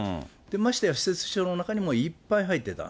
ましてや私設秘書の中にもいっぱい入ってた。